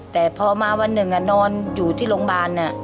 แต่พอมาวันหนึ่งนอนอยู่ที่โรงพยาบาล